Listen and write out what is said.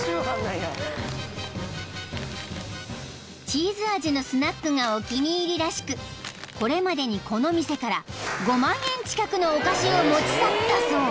［チーズ味のスナックがお気に入りらしくこれまでにこの店から５万円近くのお菓子を持ち去ったそう］